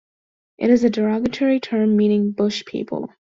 It is a derogatory term meaning bush people.